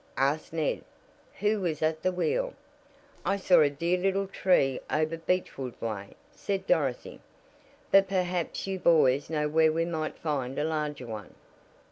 asked Ned, who was at the wheel. "I saw a dear little tree over Beechwood way," said Dorothy, "but perhaps you boys know where we might find a larger one."